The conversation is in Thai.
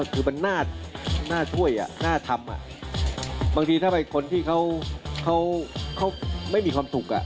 คือมันหน้าหน้าถ้วยอ่ะหน้าทำอ่ะบางทีถ้าไปคนที่เขาเขาเขาไม่มีความสุขอ่ะ